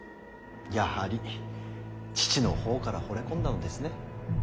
やはり父の方からほれ込んだのですね。